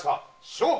勝負！